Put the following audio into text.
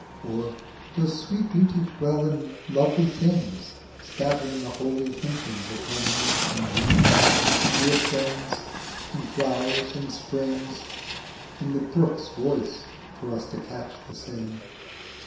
Or does sweet Beauty dwell in lovely things Scattering the holy huntings of her name In women, in dear friends, in flowers, in springs, In the brook's voice, for us to catch the same